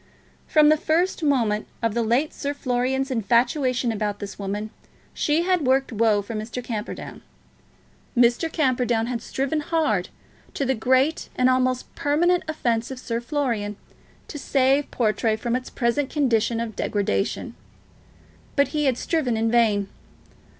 From the first moment of the late Sir Florian's infatuation about this woman, she had worked woe for Mr. Camperdown. Mr. Camperdown had striven hard, to the great and almost permanent offence of Sir Florian, to save Portray from its present condition of degradation; but he had striven in vain.